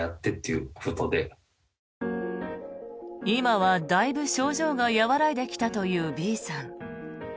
今はだいぶ症状が和らいできたというＢさん。